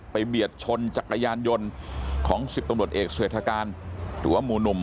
ไปเบียดชนจักรยานยนต์ของสิบตรวจเอกเสือโทษการตั๋วหมู่หนุ่ม